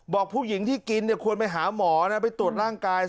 บอกผู้หญิงที่กินควรไปหาหมอนะไปตรวจร่างกาย